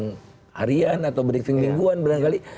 beri briefing harian atau briefing mingguan berangkali